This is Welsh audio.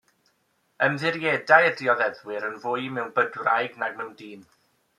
Ymddiriedai'r dioddefwyr yn fwy mewn bydwraig nag mewn dyn.